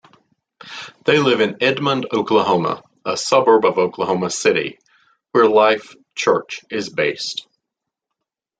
They live in Edmond, Oklahoma, a suburb of Oklahoma City, where Life.Church is based.